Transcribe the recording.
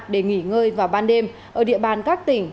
để nghỉ ngơi vào ban đêm ở địa bàn các tỉnh